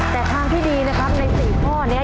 แต่ทางที่ดีนะครับใน๔ข้อนี้